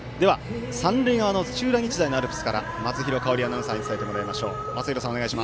三塁側の土浦日大のアルプスから松廣香織アナウンサーに伝えてもらいます。